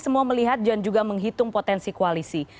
semua melihat dan juga menghitung potensi koalisi